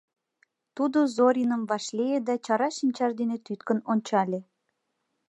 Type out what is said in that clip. Тудо Зориным вашлие да чара шинчаж дене тӱткын ончале.